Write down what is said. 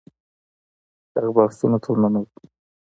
هغو بحثونو ته ورننوځو.